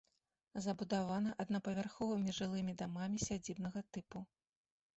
Забудавана аднапавярховымі жылымі дамамі сядзібнага тыпу.